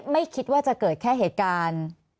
ไม่คิดว่าจะเกิดแค่เหตุการณ์